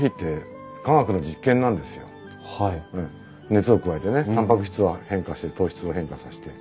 熱を加えてねたんぱく質を変化させて糖質を変化させて。